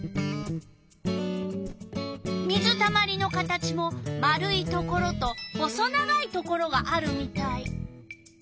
水たまりの形も丸いところと細長いところがあるみたい。